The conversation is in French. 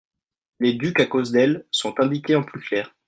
Les « ducs à cause d’elle » sont indiqués en plus clair.